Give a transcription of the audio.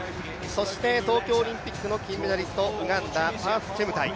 そして東京オリンピックの金メダリスト、ウガンダ、パース・チェムタイ。